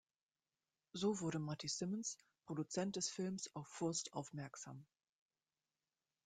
So wurde Matty Simmons, Produzent des Films auf Furst aufmerksam.